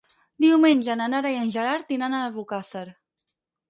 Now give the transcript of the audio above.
Diumenge na Nara i en Gerard iran a Albocàsser.